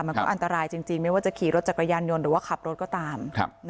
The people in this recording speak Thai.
มันก็อันตรายจริงไม่ว่าจะขี่รถจักรยานยนต์หรือว่าขับรถก็ตาม